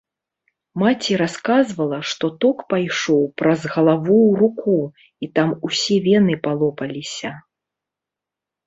Маці расказвала, што ток пайшоў праз галаву ў руку і там усе вены палопаліся.